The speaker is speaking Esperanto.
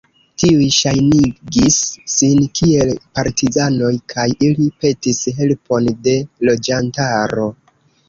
Tiuj ŝajnigis sin kiel partizanoj kaj ili petis helpon de loĝantaro.